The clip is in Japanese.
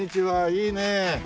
いいねえ。